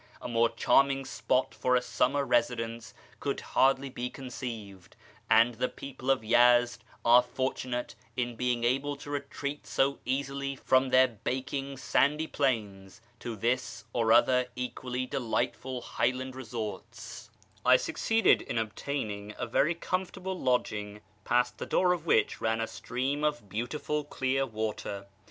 A more charming spot for a summer residence could hardly be conceived, and the people of Yezd are fortunate in being able to retreat so easily from their baking, sandy plains to this and other equally delightful highland resorts, I succeeded in obtaining a very comfortable lodging, past the door of which ran a stream of beautiful clear water.